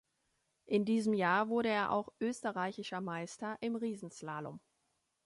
In diesem Jahr wurde er auch Österreichischer Meister im Riesenslalom.